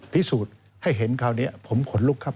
พิสูจน์ให้เห็นคราวนี้ผมขนลุกครับ